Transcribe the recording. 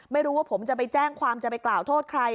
ไม่รู้ว่าผมจะไปแจ้งความจะไปกล่าวโทษใคร